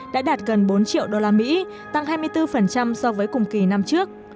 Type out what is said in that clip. đã đạt gần bốn triệu usd tăng hai mươi bốn so với cùng kỳ năm trước